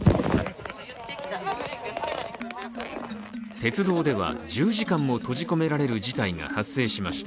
鉄道では１０時間も閉じ込められる事態が発生しました。